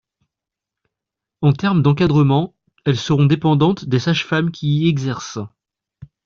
En termes d’encadrement, elles seront dépendantes des sages-femmes qui y exercent.